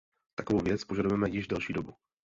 Takovou věc požadujeme již delší dobu.